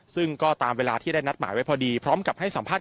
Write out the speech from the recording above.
ซึ่งก็ตามเวลาที่ได้นัดหมายไว้พอดีพร้อมกับให้สัมภาษณ